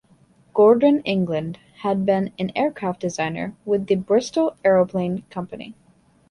Gordon England had been an aircraft designer with the Bristol Aeroplane Company.